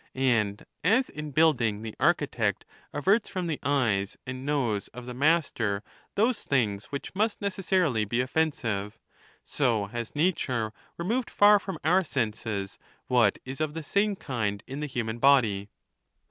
And as in building the archi tect averts from the eyes and nose of the master those things which must necessai'ily be offensive, so has nature removed far from our senses what is of the same kind in the human body.